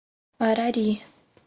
Arari